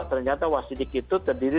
ternyata wasidik itu terdiri